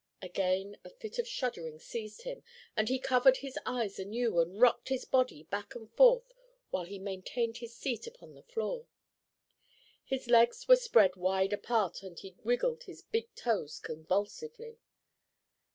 Again a fit of shuddering seized him and he covered his eyes anew and rocked his body back and forth while he maintained his seat upon the floor. His legs were spread wide apart and he wiggled his big toes convulsively.